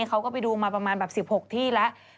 เขาก็ไปดูมาประมาณแบบ๑๖ที่แล้ว